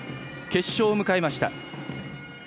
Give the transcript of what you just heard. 決勝を迎えました。